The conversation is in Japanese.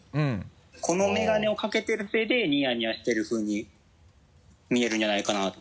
このメガネをかけているせいでニヤニヤしているふうに見えるんじゃないかなと。